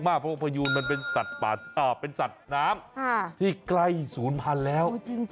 เพราะว่าพยูนมันเป็นสัตว์น้ำที่ใกล้ศูนย์พันธุ์แล้ว